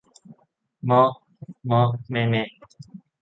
เมาะเมาะแมะแมะ